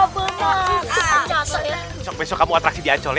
besok besok kamu atraksi di ancol ya